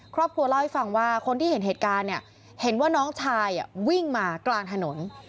ครอบครัวเล่าให้ฟังว่าคนที่เห็นเหตุการณ์เนี่ยเห็นว่าน้องชายวิ่งมากลางถนน